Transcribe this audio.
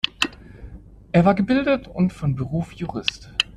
Er war gebildet und von Beruf Jurist.